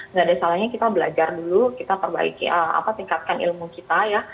nggak ada salahnya kita belajar dulu kita perbaiki tingkatkan ilmu kita ya